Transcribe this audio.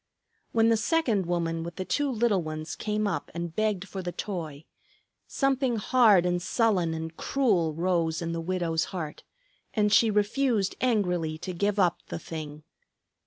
When the second woman with the two little ones came up and begged for the toy, something hard and sullen and cruel rose in the widow's heart, and she refused angrily to give up the thing.